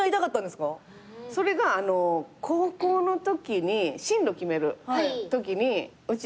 それが高校のときに進路決めるときにうち